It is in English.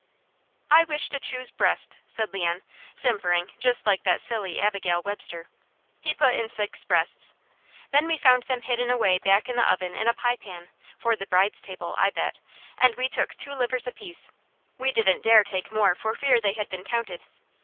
"I wish to choose breast," said Leon, simpering just like that silly Abigail Webster. He put in six breasts. Then we found them hidden away back in the oven in a pie pan, for the bride's table, I bet, and we took two livers apiece; we didn't dare take more for fear they had been counted.